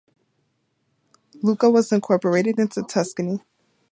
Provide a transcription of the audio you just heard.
Lucca was incorporated into Tuscany.